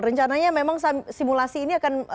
rencananya memang simulasi ini akan